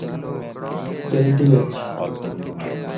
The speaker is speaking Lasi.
جلدي اچ